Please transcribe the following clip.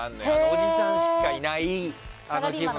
おじさんしかいないあの気分。